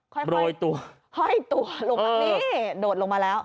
ค่อยโดดลงมาแล้ว